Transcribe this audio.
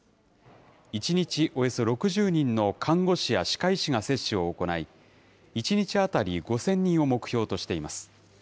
１日およそ６０人の看護師や歯科医師が接種を行い、１日当たり５０００人を目標としています。